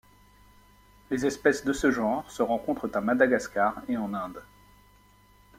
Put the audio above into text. Les espèces de ce genre se rencontrent à Madagascar et en Inde.